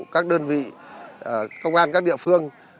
các đơn vị công an các địa phương